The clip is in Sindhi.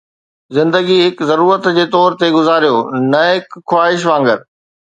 زندگي هڪ ضرورت جي طور تي گذاريو، نه هڪ خواهش وانگر